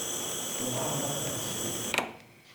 咁啱得咁橋